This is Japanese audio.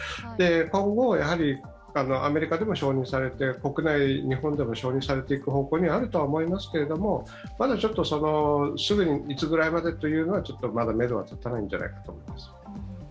今後、アメリカでも承認されて、国内、日本でも承認されていく方向にはあると思いますがまだ、すぐにいつぐらいまでというのは、まだめどは立たないんじゃないかと思います。